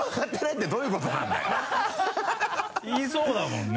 言いそうだもんね。